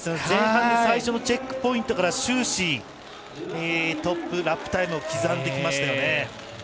前半最初のチェックポイントから終始トップのラップタイムを刻んできましたよね。